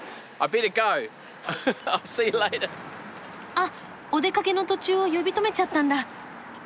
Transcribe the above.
あっお出かけの途中を呼び止めちゃったんだ。